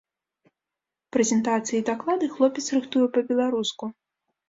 Прэзентацыі і даклады хлопец рыхтуе па-беларуску.